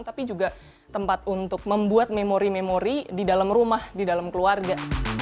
tapi juga tempat untuk membuat memori memori di dalam rumah di dalam keluarga